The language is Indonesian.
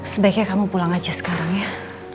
sebaiknya kamu pulang aja sekarang ya